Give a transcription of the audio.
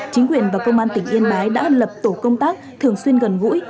chính quyền và công an tỉnh yên bái đã lập tổ công tác thường xuyên gần gũi